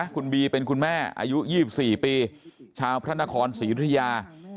คุณบีเป็นคุณแม่อายุ๒๔ปีชาวพระนครศรียุธยา